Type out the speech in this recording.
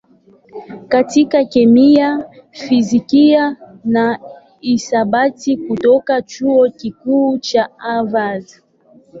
katika kemia, fizikia na hisabati kutoka Chuo Kikuu cha Harvard.